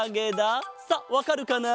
さあわかるかな？